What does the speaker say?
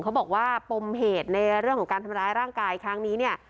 เขาบอกว่าปมเหตุในเรื่องของการทำร้ายร่างกายครั้งนี้เนี่ย